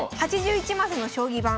８１マスの将棋盤。